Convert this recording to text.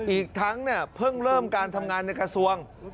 อีกทั้งเพิ่งเริ่มการทำงานในกระทรวง